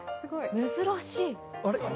珍しい。